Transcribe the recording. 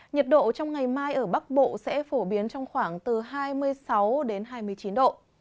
nhiệt độ trong ngày mai ở bắc bộ sẽ phổ biến trong khoảng từ hai mươi sáu đến hai mươi chín độ